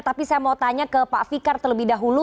tapi saya mau tanya ke pak fikar terlebih dahulu